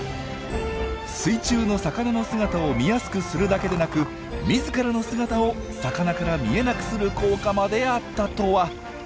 水中の魚の姿を見やすくするだけでなく自らの姿を魚から見えなくする効果まであったとは！